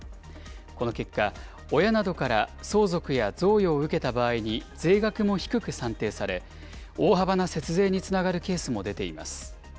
この結果、親などから相続や贈与を受けた場合に税額も低く算定され、大幅な節税につながるケースも出ています。